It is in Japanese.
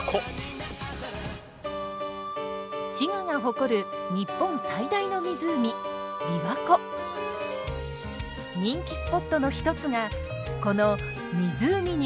滋賀が誇る日本最大の湖人気スポットの一つがこの湖に浮かぶ鳥居。